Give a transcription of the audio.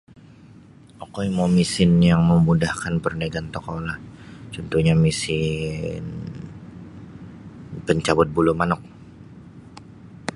Okoi mau mesin yang memudahkan perniagaan tokoulah cuntuhnyo mesin pencabut bulu manuk.